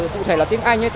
cụ thể là tiếng anh